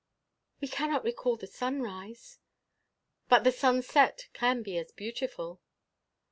"We cannot recall the sunrise—" "But the sunset can be as beautiful!"